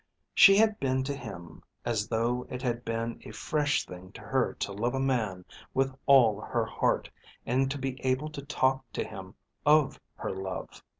She had been to him as though it had been a fresh thing to her to love a man with all her heart, and to be able to talk to him of her love.